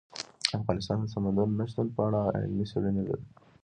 افغانستان د سمندر نه شتون په اړه علمي څېړنې لري.